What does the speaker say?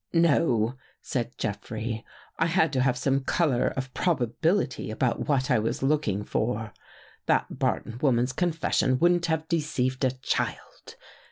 "" No,*' said Jeffrey. " I had to have some color of probability about what I was looking for. That Barton woman's confession wouldn't have deceived a child.